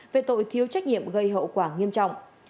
về tội thiếu trách nhiệm gây hậu quả nghiêm trọng